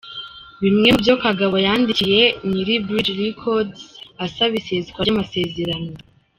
Bimwe mubyo Kagabo yandikiye nyiri Bridge Records asaba iseswa ry'amasezerano.